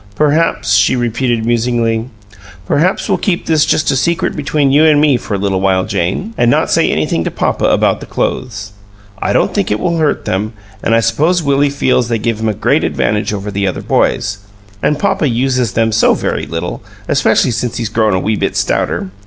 "Perhaps" she repeated, musingly "perhaps we'll keep this just a secret between you and me for a little while, Jane, and not say anything to papa about the clothes. I don't think it will hurt them, and I suppose Willie feels they give him a great advantage over the other boys and papa uses them so very little, especially since he's grown a wee bit stouter.